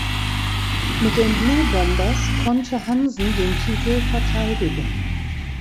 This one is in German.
Mit den Blue Bombers konnte Hansen den Titel verteidigen.